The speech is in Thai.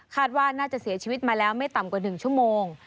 ว่าน่าจะเสียชีวิตมาแล้วไม่ต่ำกว่า๑ชั่วโมง